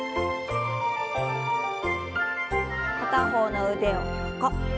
片方の腕を横。